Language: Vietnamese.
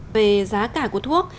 về giá cả của thuốc